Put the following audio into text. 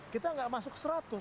kita tidak masuk seratus